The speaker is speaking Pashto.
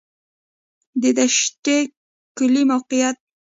د دشټي کلی موقعیت